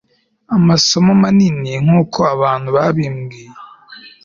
Amasomanini nkuko abantu babimbwiye